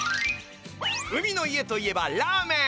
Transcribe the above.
海の家といえばラーメン！